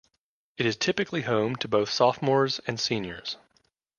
It is typically home to both Sophomores and Seniors.